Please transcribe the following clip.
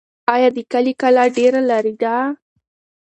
آیا د کلي کلا ډېر لرې ده؟